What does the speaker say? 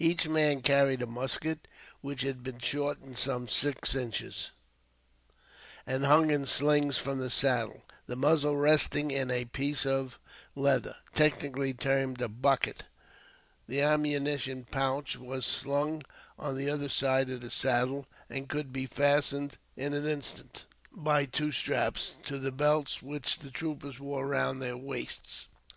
Each man carried a musket, which had been shortened some six inches, and hung in slings from the saddle, the muzzle resting in a piece of leather, technically termed a bucket. The ammunition pouch was slung on the other side of the saddle, and could be fastened in an instant, by two straps, to the belts which the troopers wore round their waists.